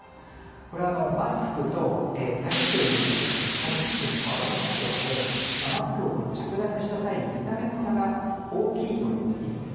これはマスクと詐欺師を意味するサギックンを合わせた言葉でマスクを着脱した際に見た目の差が大きいという意味です。